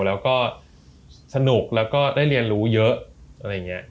แล้วก็สนุกแล้วก็ได้เรียนรู้เยอะอะไรอย่างนี้